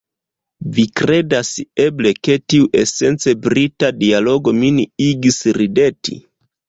Vi kredas, eble, ke tiu esence Brita dialogo min igis rideti?